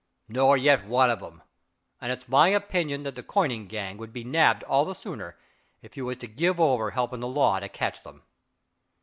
"Nor yet one of 'em and it's my opinion that the coining gang would be nabbed all the sooner, if you was to give over helping the law to catch them."